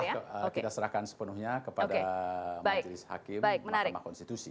ya kita serahkan sepenuhnya kepada majelis hakim mahkamah konstitusi